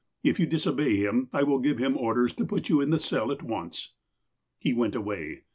If you disobey him, I will give him orders to put you in the cell at once." He went away.